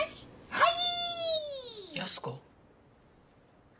はい！